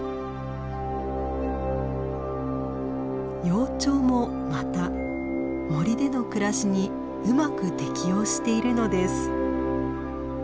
幼鳥もまた森での暮らしにうまく適応しているのです。